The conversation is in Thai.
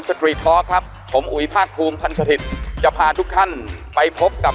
ตรีทอล์ครับผมอุ๋ยภาคภูมิทันสถิตย์จะพาทุกท่านไปพบกับ